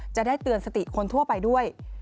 จะได้เตือนสติคนทั่วไปด้วย